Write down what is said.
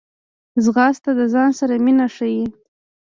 ځغاسته د ځان سره مینه ښيي